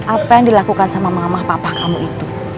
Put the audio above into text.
apa yang dilakukan sama mamah papa kamu itu